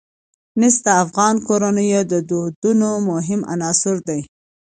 مس د افغان کورنیو د دودونو مهم عنصر دی.